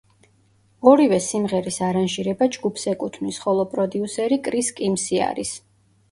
ორივე სიმღერის არანჟირება ჯგუფს ეკუთვნის, ხოლო პროდიუსერი კრის კიმსი არის.